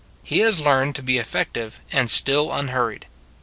He has learned to be effective and still unhurried.